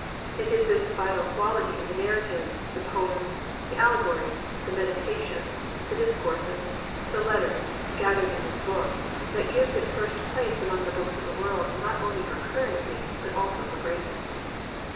It is this vital quality in the narratives, the poems, the allegories, the meditations, the dis courses, the letters, gathered in this book, that gives it first place among the books of the world not only for currency, but also for greatness.